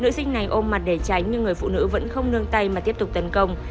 nữ sinh này ôm mặt để tránh nhưng người phụ nữ vẫn không nương tay mà tiếp tục tấn công